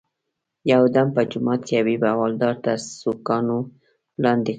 یو دم په جومات کې حبیب حوالدار تر سوکانو لاندې کړ.